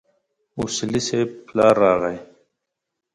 اصولي صیب پلار راغی.